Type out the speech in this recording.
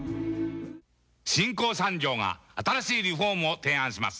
新興産業が新しいリフォームを提案します。